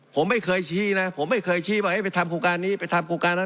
ผมไม่เคยชี้นะผมไม่เคยชี้ว่าไปทำโครงการนี้ไปทำโครงการนั้น